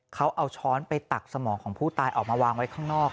เขาเอาช้อนไปตักสมองของผู้ตายออกมาวางไว้ข้างนอก